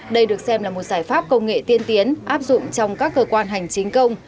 đây được xem là một giải pháp công nghệ tiên tiến áp dụng trong các cơ quan hành chính công